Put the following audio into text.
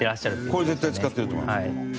これ絶対使ってると思います。